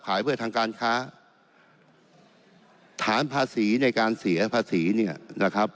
เพื่อทางการค้าฐานภาษีในการเสียภาษีเนี่ยนะครับ